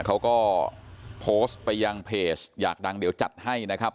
เขาก็โพสต์ไปยังเพจอยากดังเดี๋ยวจัดให้นะครับ